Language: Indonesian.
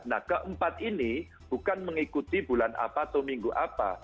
nah keempat ini bukan mengikuti bulan apa atau minggu apa